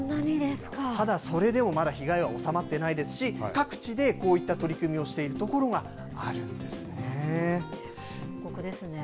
ただ、それでもまだ被害は収まっていないですし、各地でこういった取り組みをしている所があ深刻ですね。